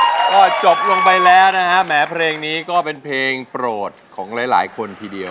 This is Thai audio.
ก็จบลงไปแล้วนะฮะแหมเพลงนี้ก็เป็นเพลงโปรดของหลายคนทีเดียว